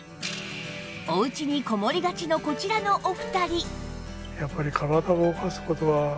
おうちにこもりがちのこちらのお二人